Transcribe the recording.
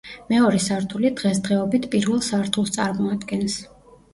მეორე სართული დღესდღეობით პირველ სართულს წარმოადგენს.